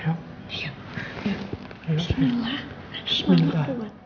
semoga kuat ya